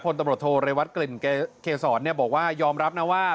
ตำรวจโทเรวัตกลิ่นเกษรบอกว่ายอมรับนะว่า